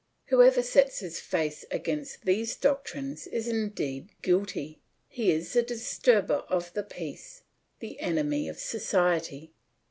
Whoever sets his face against these doctrines is indeed guilty; he is the disturber of the peace, the enemy of society.